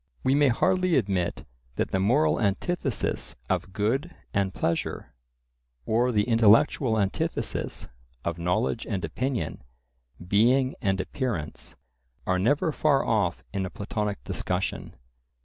We may hardly admit that the moral antithesis of good and pleasure, or the intellectual antithesis of knowledge and opinion, being and appearance, are never far off in a Platonic discussion.